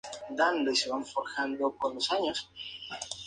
A partir esa fecha se reveló como promesa del cancionero popular peruano.